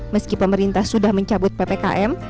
meski pemerintah sudah mencabut ppkm